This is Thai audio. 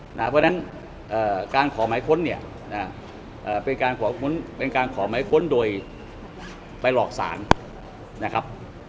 เพราะฉะนั้นการขอหมายค้นเนี่ยเป็นการขอค้นเป็นการขอหมายค้นโดยไปหลอกศาลนะครับ